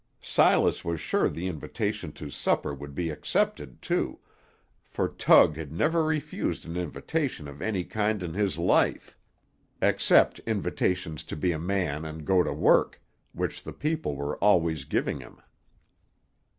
Silas was sure the invitation to supper would be accepted, too, for Tug had never refused an invitation of any kind in his life, except invitations to be a man and go to work, which the people were always giving him.